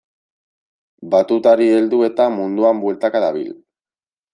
Batutari heldu eta munduan bueltaka dabil.